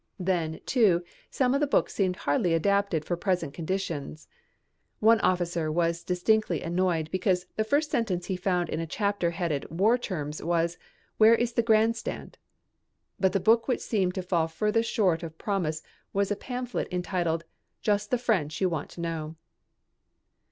Then, too, some of the books seemed hardly adapted for present conditions. One officer was distinctly annoyed because the first sentence he found in a chapter headed war terms was, "Where is the grand stand?" But the book which seemed to fall furthest short of promise was a pamphlet entitled, "Just the French You Want to Know."